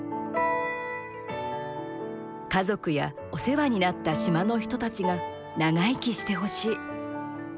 家族やお世話になった島の人たちが長生きしてほしい。